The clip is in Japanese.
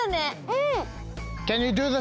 うん！